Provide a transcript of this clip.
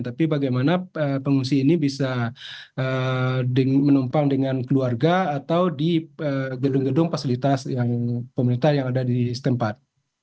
tapi bagaimana pengungsi ini bisa menumpang dengan keluarga atau di gedung gedung fasilitas yang pemerintah yang ada di setempat